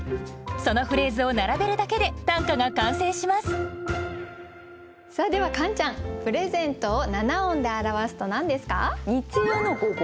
そのフレーズを並べるだけで短歌が完成しますさあではカンちゃん「プレゼント」を七音で表すと何ですか？